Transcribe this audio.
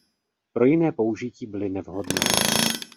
Pro jiné použití byly nevhodné.